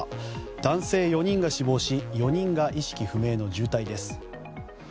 男性４人が死亡し４人が意識不明の重体です。